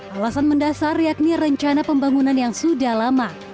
alasan mendasar yakni rencana pembangunan yang sudah lama